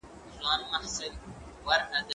زه به ښوونځی ته تللی وي،